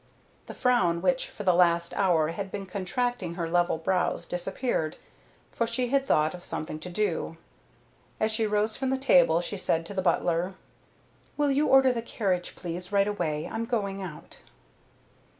The frown which for the last hour had been contracting her level brows disappeared, for she had thought of something to do. As she rose from the table she said to the butler: "Will you order the carriage, please, right away. I'm going out."